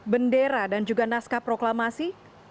bendera dan juga naskah proklamasi